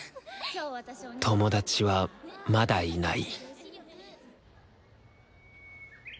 友達はまだいない